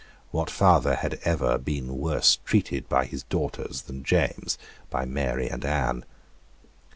What father had ever been worse treated by his daughters than James by Mary and Anne?